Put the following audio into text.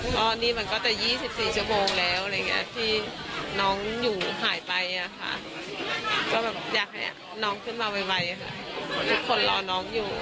ก็นี่มันก็แต่๒๔ชั่วโมงแล้วที่น้องอยู่หายไปอยากให้น้องขึ้นมาไวทุกคนรอน้องอยู่